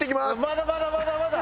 まだまだまだまだ！